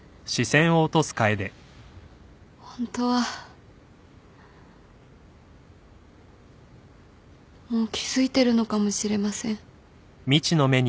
ホントはもう気付いてるのかもしれません。